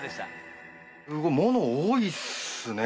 物多いっすね。